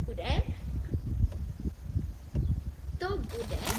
To bude klíčová otázka.